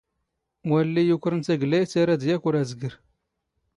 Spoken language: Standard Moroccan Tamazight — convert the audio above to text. ⵡⴰⵍⵍⵉ ⵢⵓⴽⵔⵏ ⵜⴰⴳⵍⴰⵢⵜ ⴰ ⵔⴰⴷ ⵢⴰⴽⵯⵔ ⴰⵣⴳⵔ.